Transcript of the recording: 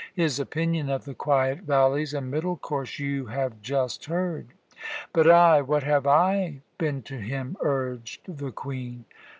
His opinion of the quiet valleys and middle course you have just heard." "But I, what have I been to him?" urged the Queen.